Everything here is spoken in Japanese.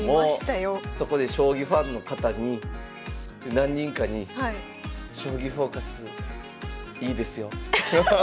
そこで将棋ファンの方に何人かに「『将棋フォーカス』いいですよ」。